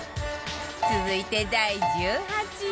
続いて第１８位